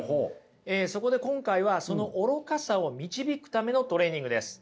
そこで今回はその愚かさを導くためのトレーニングです。